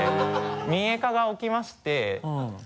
民営化がおきまして。